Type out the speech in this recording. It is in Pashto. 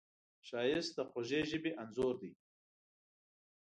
ښایست د خوږې ژبې انځور دی